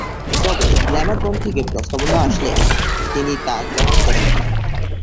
তবে, গ্ল্যামারগন থেকে প্রস্তাবনা আসলে তিনি তা গ্রহণ করেন।